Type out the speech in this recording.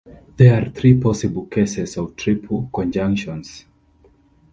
There are three possible cases of triple conjunctions.